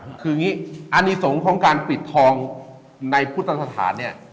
คืออย่างงี้อันนี้สงของการปิดทองในพุทธศาสตร์เนี้ย